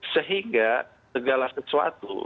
sehingga segala sesuatu